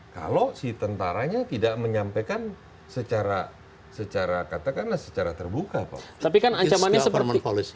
kalau si tentaranya tidak menyampaikan secara katakanlah secara terbuka pak